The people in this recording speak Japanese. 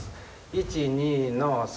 １２の３。